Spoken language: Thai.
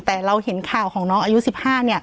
แต่เราเห็นข่าวของน้องอายุ๑๕